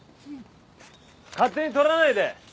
勝手に撮らないで！